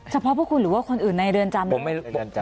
เฉพาะพวกคุณหรือว่าคนอื่นในเรือนจำ